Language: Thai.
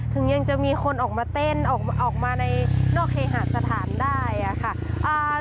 ถึงยังจะมีคนออกมาเต้นออกมาในนอกเคหาสถานได้ค่ะ